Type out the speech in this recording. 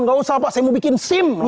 nggak usah pak saya mau bikin sim